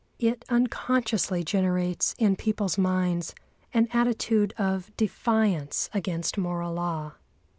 It unconsciously generates in people's minds an attitude of defiance against moral law.